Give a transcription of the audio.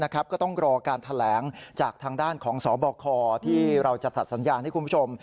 ก็ต้องรอการแถลงจากทางด้านของสบคที่เราจะจัดสัญญาณให้คุณผู้ชม